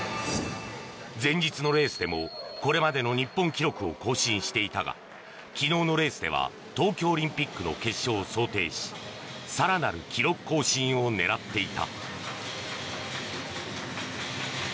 前日のレースでもこれまでの日本記録を更新していたが昨日のレースでは東京オリンピックの決勝を想定し更なる記録更新を狙っていた。